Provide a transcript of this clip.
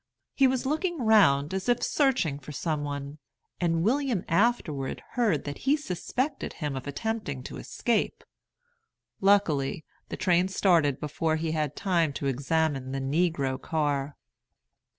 He was looking round, as if searching for some one; and William afterward heard that he suspected him of attempting to escape. Luckily, the train started before he had time to examine the "negro car."